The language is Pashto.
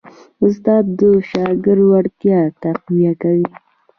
استاد د شاګرد وړتیا تقویه کوي.